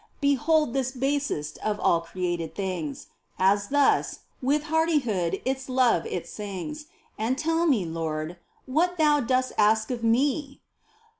Behold this basest of created things. As thus, with hardihood its love it sings. And tell me, Lord, what Thou dost ask of me